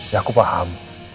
ya aku paham